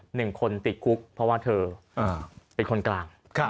หนึ่งคนติดคุกเพราะว่าเธอเป็นคนกลาง